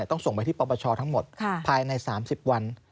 ต้องส่งไปที่ปปชทั้งหมดภายใน๓๐วัน